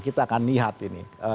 kita akan lihat ini